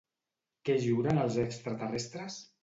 Què juren els extraterrestres?